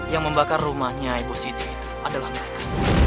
yang membakar rumahnya ibu siti itu adalah mereka